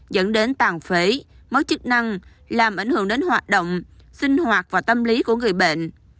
dẫn đến tàn phế mất chức năng làm ảnh hưởng đến hoạt động sinh hoạt và tâm lý của người bệnh